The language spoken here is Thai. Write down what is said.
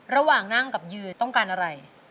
ระหว่างนั่งกับยืดต้องการอะไร